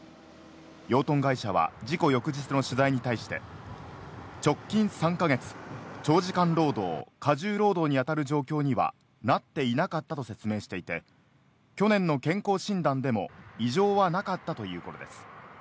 養豚会社は事故翌日の取材に対して、直近３か月、長時間労働、過重労働にあたる状況にはなっていなかったと説明していて、去年の健康診断でも異常はなかったということです。